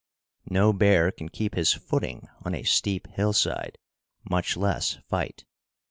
No bear can keep his footing on a steep hillside, much less fight.